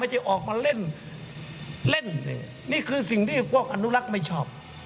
จะออกมาเล่นเล่นนี่คือสิ่งที่พวกอนุรักษ์ไม่ชอบ